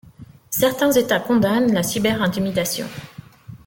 Certains États condamnent la cyberintimidation.